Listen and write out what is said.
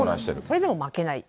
それでも負けない。